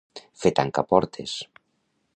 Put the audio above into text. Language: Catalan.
Fer tancar portes.